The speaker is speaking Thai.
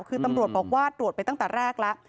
คือตำรวจบอกว่าตรวจไปตั้งแต่แรกแล้ว